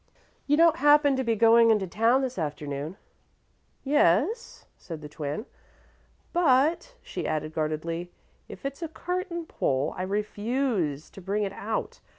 "You don't happen to be going into town this afternoon?" "Yes," said the Twin. "But," she added guardedly, "if it's a curtain pole, I refuse to bring it out.